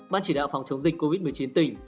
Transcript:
ban chỉ đạo phòng chống dịch covid một mươi chín tỉnh